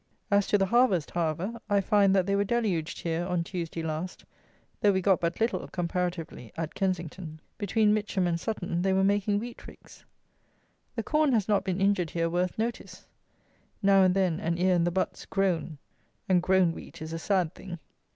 As to the harvest, however, I find that they were deluged here on Tuesday last, though we got but little, comparatively, at Kensington. Between Mitcham and Sutton they were making wheat ricks. The corn has not been injured here worth notice. Now and then an ear in the butts grown; and grown wheat is a sad thing!